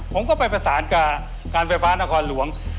ผมก็ไปประสานกับการไฟฟ้านครหลวง